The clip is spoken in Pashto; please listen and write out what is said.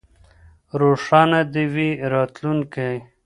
روښانه دې وي راتلونکی.